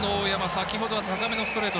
先ほどは高めのストレート